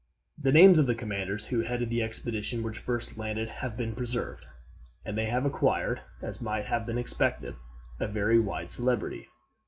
The names of the commanders who headed the expedition which first landed have been preserved, and they have acquired, as might have been expected, a very wide celebrity.